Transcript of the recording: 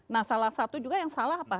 nah salah satu juga yang salah apa